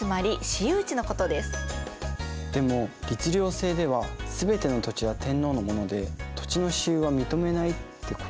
でも律令制では全ての土地は天皇のもので土地の私有は認めないってことだったよね？